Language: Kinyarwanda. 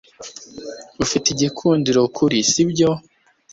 Ufite igikundiro kuri , sibyo?